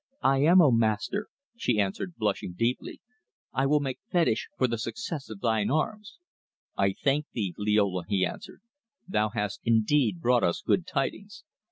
"I am, O Master," she answered blushing deeply. "I will make fetish for the success of thine arms." "I thank thee, Liola," he answered. "Thou hast indeed brought us good tidings."